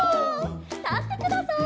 たってください。